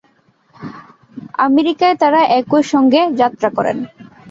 আমেরিকায় তারা একই সঙ্গে যাত্রা করেন।